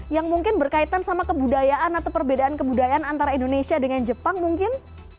yang mungkin berkaitan sama kebudayaan atau perbedaan kebudayaan antara indonesia dengan jepang mungkin